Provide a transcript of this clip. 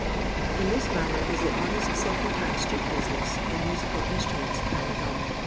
In this manner is the honest second hand street business in musical instruments carried on.